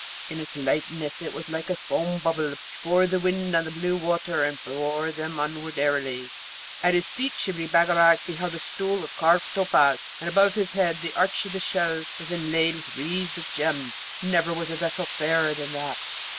In its lightness it was as a foam bubble before the wind on the blue water, and bore them onward airily. At his feet Shibli Bagarag beheld a stool of carved topaz, and above his head the arch of the shell was inlaid with wreaths of gems: never was vessel fairer than that.